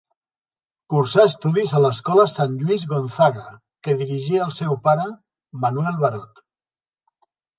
Cursà estudis a l'escola Sant Lluís Gonzaga que dirigia el seu pare, Manuel Barot.